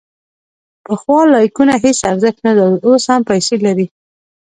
پخوا لایکونه هیڅ ارزښت نه درلود، اوس هم پیسې لري.